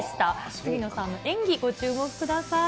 杉野さんの演技、ご注目ください。